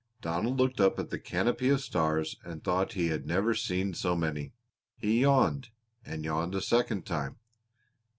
Donald looked up at the canopy of stars and thought he had never seen so many. He yawned, and yawned a second time.